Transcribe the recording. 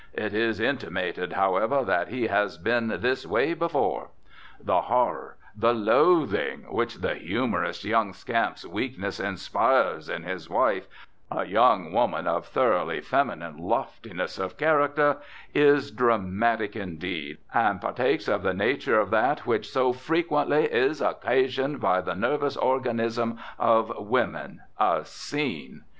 It is intimated, however, that he has been this way before. The horror, the loathing, which the humorous young scamp's weakness inspires in his wife, a young woman of thoroughly feminine loftiness of character, is dramatic indeed, and partakes of the nature of that which so frequently is occasioned by the nervous organism of women, a 'scene.'